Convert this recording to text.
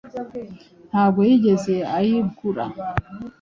Ntabwo yigeze ayigura